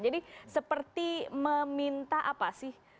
jadi seperti meminta apa sih